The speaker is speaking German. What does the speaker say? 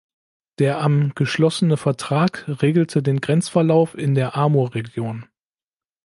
Der am geschlossene Vertrag regelte den Grenzverlauf in der Amur-Region.